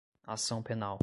ação penal